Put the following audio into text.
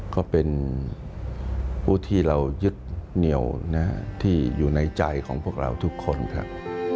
ก็เป็นผู้ที่เรายึดเหนียวที่อยู่ในใจของพวกเราทุกคนครับ